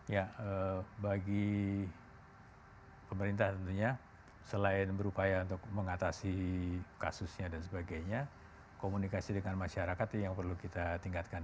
ya bagi pemerintah tentunya selain berupaya untuk mengatasi kasusnya dan sebagainya komunikasi dengan masyarakat yang perlu kita tingkatkan